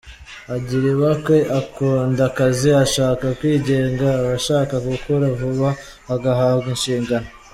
Agira ibakwe, akunda akazi, ashaka kwigenga aba ashaka gukura vuba agahabwa inshingano.